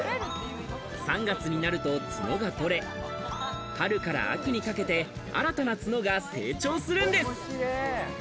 ３月になると角が取れ、春から秋にかけて新たな角が成長するんです。